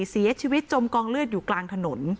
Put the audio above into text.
เสียชีวิตจมกองเลือดอยู่กลางถนน